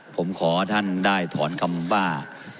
ผมขอท่านได้ถอนคำว่า